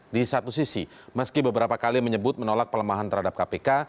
di satu sisi meski beberapa kali menyebut menolak pelemahan terhadap kpk